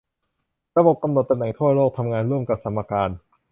ระบบกำหนดตำแหน่งทั่วโลกทำงานร่วมกับสมการ